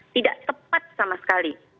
tidak tepat sama sekali